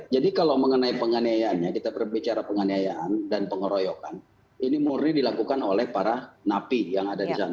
jadi kalau mengenai penganiayaannya kita berbicara penganiayaan dan pengoroyokan ini murni dilakukan oleh para napi yang ada di sana